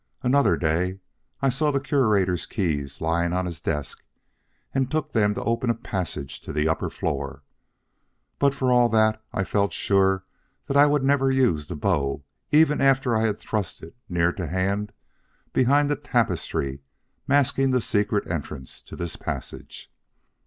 Another day I saw the Curator's keys lying on his desk and took them to open a passage to the upper floor. But for all that, I felt sure that I would never use the bow even after I had thrust it near to hand behind the tapestry masking the secret entrance to this passage.